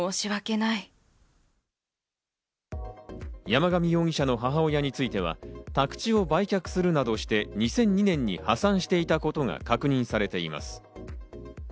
山上容疑者の母親については、宅地を売却するなどして、２００２年に破産していたことが確認されています。